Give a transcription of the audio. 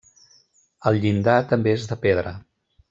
El llindar també és de pedra.